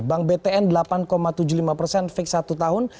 bank btn delapan tujuh puluh lima persen fix satu tahun